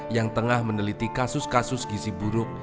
yang tengah meneliti kasus kasus gizi buruk